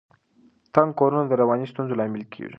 تنګ کورونه د رواني ستونزو لامل کیږي.